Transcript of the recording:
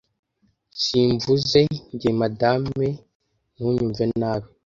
simvuze njye madame ntunyumve nabi